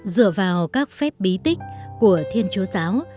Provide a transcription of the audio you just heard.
dựa vào các phép bí tích của thiên chúa giáo